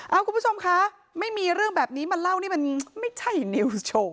เอาคุณผู้ชมคะไม่มีเรื่องแบบนี้มาเล่านี่มันไม่ใช่นิวสโชว์